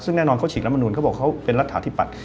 ซึ่งแน่นอนเขาฉีกละมณูนเขาบอกว่าเขาเป็นรัฐฐาที่ปัด